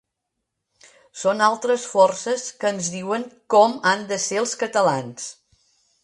Són altres forces que ens diuen com han de ser els catalans.